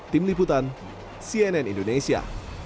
tim liputan cnn indonesia